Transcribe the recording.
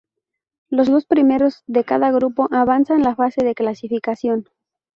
Los dos primeros de cada grupo avanzan a la fase de clasificación.